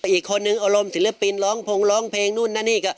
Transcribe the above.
อีกคนนึงอารมณ์ศิลปินร้องพงร้องเพลงนู่นนั่นนี่ก็